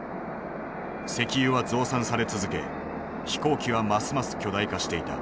石油は増産され続け飛行機はますます巨大化していた。